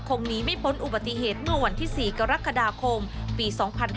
หนีไม่พ้นอุบัติเหตุเมื่อวันที่๔กรกฎาคมปี๒๕๕๙